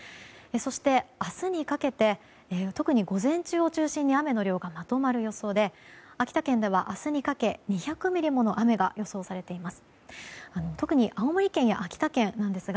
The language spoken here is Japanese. そして、明日にかけて特に午前中を中心に雨の量がまとまる予想で秋田県では明日にかけて２００ミリもの雨が予想されています。